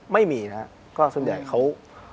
ไม่มีนะครับก็ส่วนใหญ่เขา